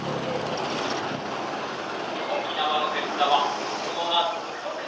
沖縄の天ぷらは衣が独特。